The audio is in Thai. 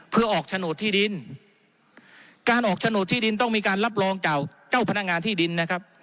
เพื่อออกโฉนดที่ดินการออกโฉนดที่ดินต้องมีการรับรองจากเจ้าพนักงานที่ดินนะครับ